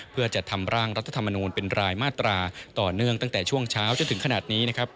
เพื่อจัดทำร่างรัฐธรรมนูลเป็นรายมาตราต่อเนื่องตั้งแต่ช่วงเช้าจนถึงขนาดนี้นะครับ